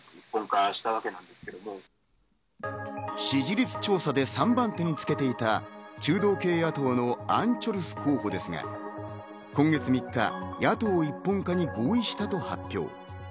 支持率調査で３番手につけていた中道系野党のアン・チョルス候補ですが、今月３日、野党一本化に合意したと発表。